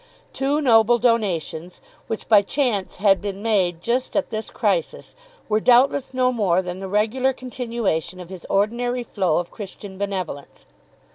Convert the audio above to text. Two noble donations, which by chance had been made just at this crisis, were doubtless no more than the regular continuation of his ordinary flow of Christian benevolence.